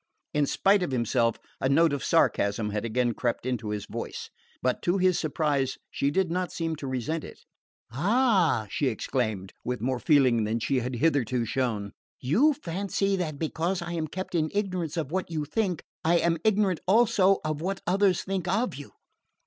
In spite of himself a note of sarcasm had again crept into his voice; but to his surprise she did not seem to resent it. "Ah," she exclaimed, with more feeling than she had hitherto shown, "you fancy that, because I am kept in ignorance of what you think, I am ignorant also of what others think of you!